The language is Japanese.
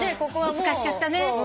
ぶつかっちゃったね。